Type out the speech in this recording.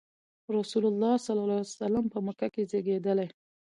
رسول الله ﷺ په مکه کې زېږېدلی.